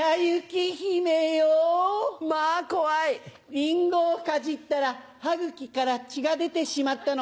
リンゴをかじったら歯茎から血が出てしまったの。